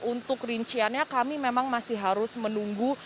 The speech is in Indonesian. untuk rinciannya kami memang masih harus menunggu